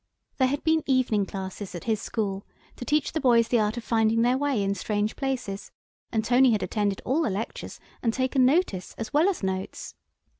There had been evening classes at his school to teach the boys the art of finding their way in strange places, and Tony had attended all the lectures and taken notice as well as notes.